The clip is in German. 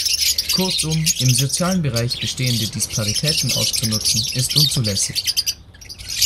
Kurzum, im sozialen Bereich bestehende Disparitäten auszunutzen, ist unzulässig.